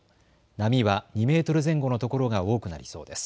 波は２メートル前後のところが多くなりそうです。